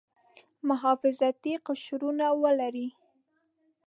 محافظتي قشرونه ولري.